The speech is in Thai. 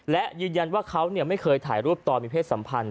และยืนยันว่าเขาไม่เคยถ่ายรูปตอนมีเพศสัมพันธ